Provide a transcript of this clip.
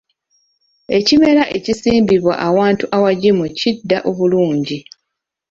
Ekimera ekisimbibwa awantu awagimu kidda obulingi.